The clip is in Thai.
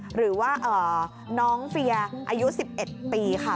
หรือว่าน้องเฟียร์อายุ๑๑ปีค่ะ